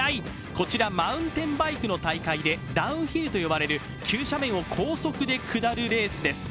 こちらマウンテンバイクの大会で、ダウンヒルと呼ばれる急斜面を高速で下るレースです。